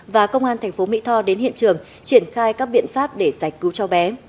và công an tp mỹ tho đến hiện trường triển khai các biện pháp để giải cứu cháu bé